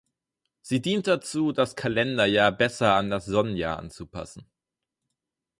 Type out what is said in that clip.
Sie dient dazu, das Kalenderjahr besser an das Sonnen-Jahr anzupassen.